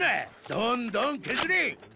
どんどん削れ！